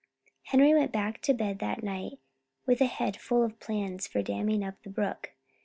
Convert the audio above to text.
Henry went to bed that night with a head full of plans for damming up the brook.